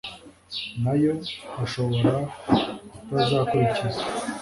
na yo ashobora kutazakurikizwa